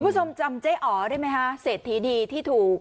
คุณผู้ชมจำเจ๊อ๋อได้ไหมคะเศรษฐีดีที่ถูก